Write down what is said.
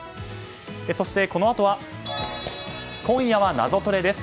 そしてこのあとは「今夜はナゾトレ」です。